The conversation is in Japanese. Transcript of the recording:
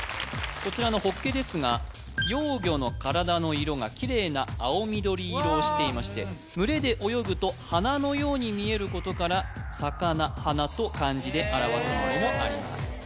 こちらのほっけですが幼魚の体の色がキレイな青緑色をしていまして群れで泳ぐと花のように見えることから「魚」「花」と漢字で表すようにもなります